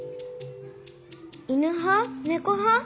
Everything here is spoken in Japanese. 「犬派？ネコ派？」。